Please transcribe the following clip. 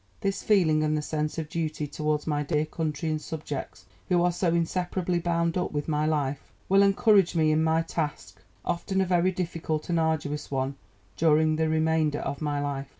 This feeling and the sense of duty towards my dear country and subjects, who are so inseparably bound up with my life, will encourage me in my task, often a very difficult and arduous one, during the remainder of my life.